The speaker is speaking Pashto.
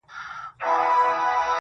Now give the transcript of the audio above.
په سپين لاس کي يې دی سپين سگريټ نيولی_